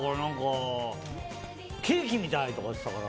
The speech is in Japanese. ケーキみたいとか言ってたから。